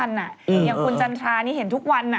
อย่างคุณจันทรานี่เห็นทุกวัน